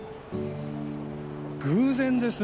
偶然ですね先輩。